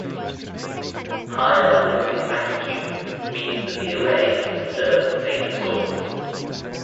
Higher limiting magnitude means that the array can observe fainter sources.